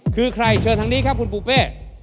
คือใครเชิญทางนี้ครับคุณปูเป้